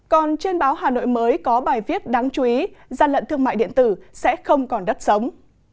còn trên báo hà nội mới có bài viết đáng chú ý gian lận thương mại điện tử sẽ không còn đất sống